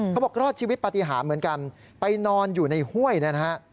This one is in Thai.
รอดชีวิตปฏิหารเหมือนกันไปนอนอยู่ในห้วยนะฮะ